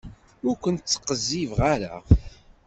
Ur ken-ttqezzibeɣ ara.